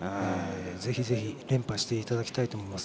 ぜひぜひ連覇していただきたいと思います。